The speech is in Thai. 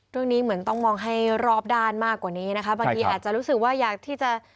เรื่องนี้เหมือนต้องมองให้รอบด้านมากกว่านี้นะคะบางทีอาจจะรู้สึกว่าอยากที่จะ